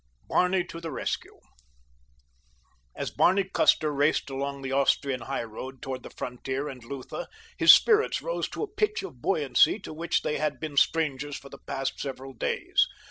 BARNEY TO THE RESCUE As Barney Custer raced along the Austrian highroad toward the frontier and Lutha, his spirits rose to a pitch of buoyancy to which they had been strangers for the past several days.